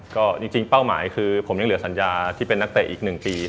ก็จริงเป้าหมายคือผมยังเหลือสัญญาที่เป็นนักเตะอีก๑ปี